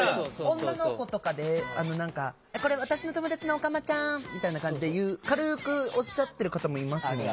女の子とかで「これ私の友達のオカマちゃん」みたいな感じで言う軽くおっしゃってる方もいますもんね。